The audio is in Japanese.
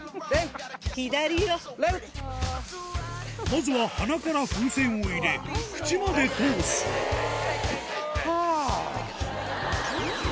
まずは鼻から風船を入れ口まで通すはぁ！